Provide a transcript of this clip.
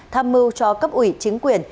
tham mưu cho cấp ủy chính quyền